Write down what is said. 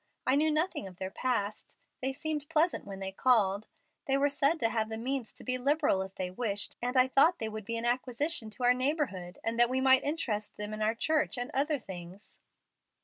I knew nothing of their 'past.' They seemed pleasant when they called. They were said to have the means to be liberal if they wished, and I thought they would be an acquisition to our neighborhood, and that we might interest them in our church and other things."